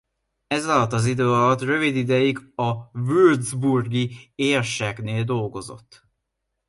Ez alatt az idő alatt rövid ideig a würzburgi érseknél dolgozott.